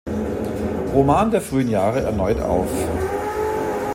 Roman der frühen Jahre" erneut auf.